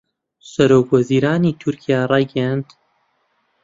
سەرۆکوەزیرانی تورکیا رایگەیاند